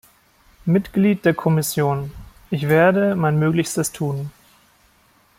Mitglied der Kommission. Ich werde mein Möglichstes tun.